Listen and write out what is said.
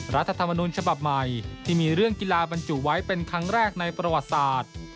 รัฐธรรมนุนฉบับใหม่ที่มีเรื่องกีฬาบรรจุไว้เป็นครั้งแรกในประวัติศาสตร์